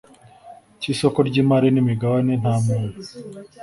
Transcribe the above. cy isoko ry imari n imigabane nta muntu